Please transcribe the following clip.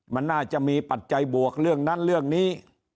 มันน่าจะมีปัจจัยบวกเรื่องนั้นเรื่องนี้